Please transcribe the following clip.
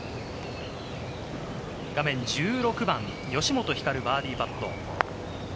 画面１６番、吉本ひかる、バーディーパット。